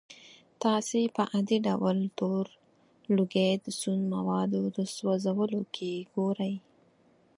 تاسې په عادي ډول تور لوګی د سون موادو د سوځولو کې ګورئ.